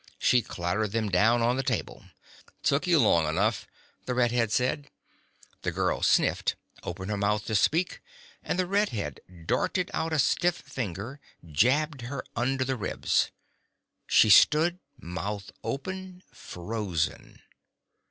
She clattered them down on the table. "Took you long enough," the red head said. The girl sniffed, opened her mouth to speak and the red head darted out a stiff finger, jabbed her under the ribs. She stood, mouth open, frozen.